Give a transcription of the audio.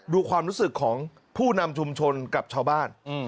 ดูความรู้สึกของผู้นำชุมชนกับชาวบ้าน